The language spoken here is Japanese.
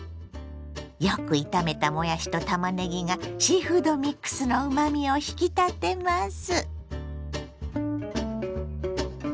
よく炒めたもやしとたまねぎがシーフードミックスのうまみを引き立てます。